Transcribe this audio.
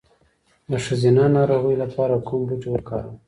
د ښځینه ناروغیو لپاره کوم بوټی وکاروم؟